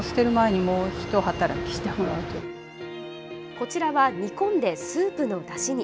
こちらは煮込んでスープのだしに。